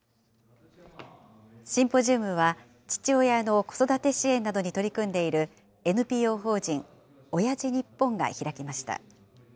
シンポジウムは、父親の子育て支援などに取り組んでいるＮＰＯ法人おやじ日本が開きました。